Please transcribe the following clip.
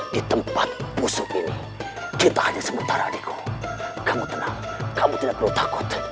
di tempat bosok ini kita ada sementara adikku kamu tenang kamu tidak perlu takut